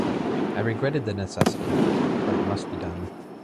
I regretted the necessity, but it must be done.